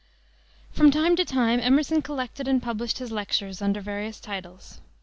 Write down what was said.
From time to time Emerson collected and published his lectures under various titles.